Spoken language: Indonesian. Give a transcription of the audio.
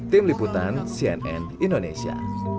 tim liputan cnn indonesia